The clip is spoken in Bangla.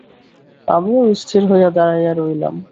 আমিও স্থির হইয়া দাঁড়াইয়া রহিলাম।